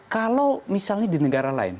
kalau misalnya di negara lain